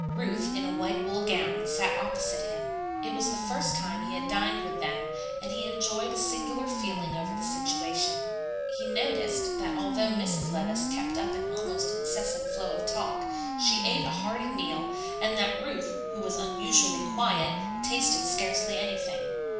Ruth, in a white wool gown, sat opposite him. It was the first time he had dined with them; and he enjoyed a singular feeling over the situation. He noticed that although Mrs. Levice kept up an almost incessant flow of talk, she ate a hearty meal, and that Ruth, who was unusually quiet, tasted scarcely anything.